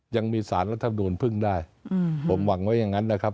ยังมีสารรัฐมนูลพึ่งได้ผมหวังไว้อย่างนั้นนะครับ